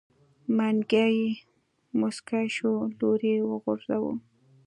منګلی موسکی شو لور يې وغورځوه.